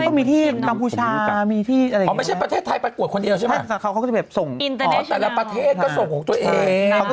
ก็มีที่กัมพูชามีที่อะไรอย่างนี้